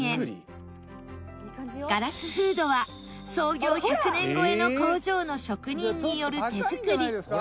ガラスフードは創業１００年超えの工場の職人による手作り。